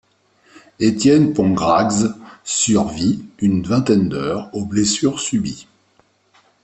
Étienne Pongracz survit une vingtaine d'heures aux blessures subies.